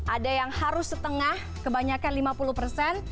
ada yang harus setengah kebanyakan lima puluh persen